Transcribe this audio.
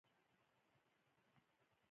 دا دواړه له عضلو څخه جوړ شوي دي.